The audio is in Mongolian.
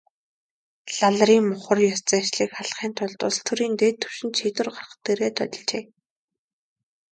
Лалын мухар ес заншлыг халахын тулд улс төрийн дээд түвшинд шийдвэр гаргах дээрээ тулжээ.